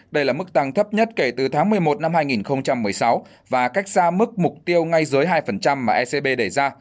đây là mức tăng thấp nhất kể từ tháng một mươi một năm hai nghìn một mươi sáu và cách ra mức mục tiêu ngay dưới hai mà ecb đẩy ra